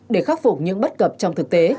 để khắc phục những bất cập trong thực tế